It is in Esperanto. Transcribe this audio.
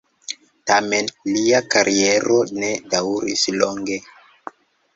Tamen lia kariero ne daŭris longe.